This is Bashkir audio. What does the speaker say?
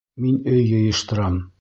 Мин өй йыйыштырам.